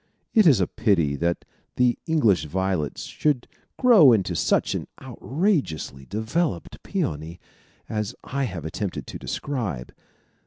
It is a pity that the English violet should grow into such an outrageously developed peony as I have attempted to describe.